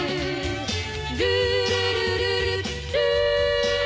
「ルールルルルルー」